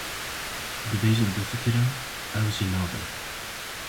Dibêjim bifikirim, ew jî nabe.